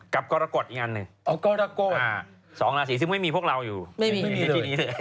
กรกฎอีกอันหนึ่งอ๋อกรกฎ๒ราศีซึ่งไม่มีพวกเราอยู่ไม่มีที่นี้เลย